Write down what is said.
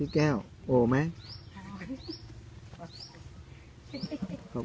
พี่แก้วโอไหม